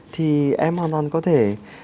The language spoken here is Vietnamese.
thì em hoàn toàn có thể